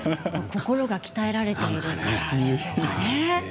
心が鍛えられているから。